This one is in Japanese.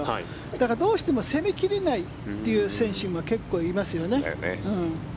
だから、どうしても攻め切れないという選手も結構いますよね。